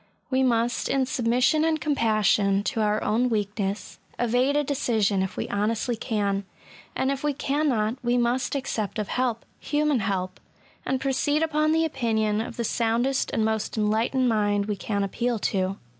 We must, in submission and compassion to our own weakness, evade a decision if we honestly can ; and if we 192 ESSAYS. cannot^ we must accept of help — Shaman help — and proceed upon the opinion of the soundest and most enlightened mind we can appeal to.